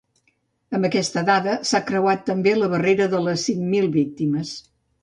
Amb aquesta dada s’ha creuat també la barrera de les cinc mil víctimes.